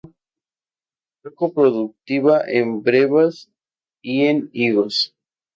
Poco productiva en brevas y en higos.